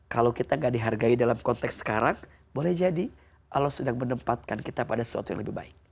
kalau kita gak dihargai dalam konteks sekarang boleh jadi allah sedang menempatkan kita pada sesuatu yang lebih baik